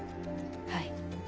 はい。